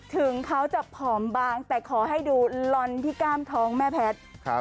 ถึงเขาจะผอมบางแต่ขอให้ดูลอนที่กล้ามท้องแม่แพทย์